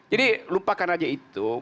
jadi lupakan aja itu